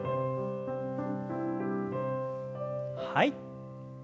はい。